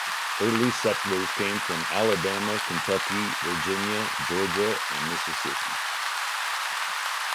Early settlers came from Alabama, Kentucky, Virginia, Georgia, and Mississippi.